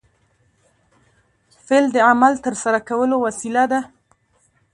فعل د عمل د ترسره کولو وسیله ده.